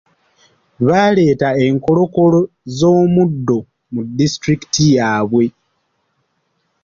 Baaleeta enkolokolo z'omuddo mu disitulikiti yaabwe.